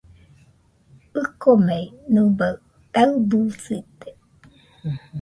ɨkomei, nɨbaɨ taɨbɨsite.